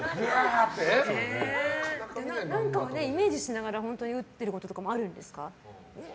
何かをイメージしながら打ってることもあるんですか？